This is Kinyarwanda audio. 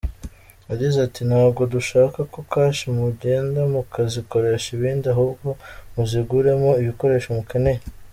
Yagize ati “ Ntabwo dushaka ko kashi mugenda mukazikoresha ibindi ahubwo muziguremo ibikoresho mukeneye.